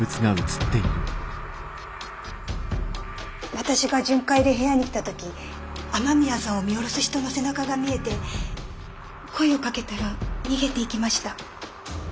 私が巡回で部屋に来た時雨宮さんを見下ろす人の背中が見えて声をかけたら逃げていきました。